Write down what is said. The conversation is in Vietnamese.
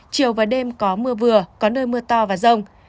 chiều và đêm có mưa vừa có nơi mưa to và rông